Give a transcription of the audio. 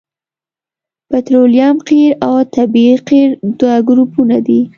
پطرولیم قیر او طبیعي قیر دوه ګروپونه دي